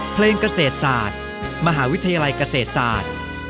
เพลงเกษตรศาสตร์มหาวิทยาลัยเกษตรศาสตร์